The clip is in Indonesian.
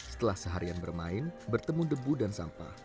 setelah seharian bermain bertemu debu dan sampah